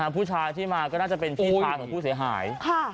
ผู้ชายที่มาก็น่าจะเป็นพี่ชายของผู้เสียหาย